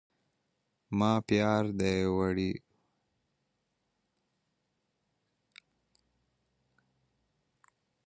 ما پيار دي وړیزو ته هرمزي له؛ ترينو ګړدود